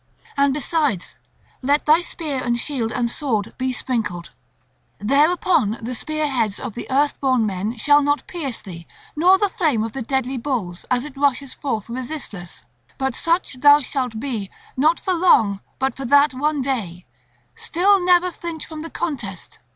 And besides, let thy spear and shield and sword be sprinkled. Thereupon the spear heads of the earthborn men shall not pierce thee, nor the flame of the deadly bulls as it rushes forth resistless. But such thou shalt be not for long, but for that one day; still never flinch from the contest.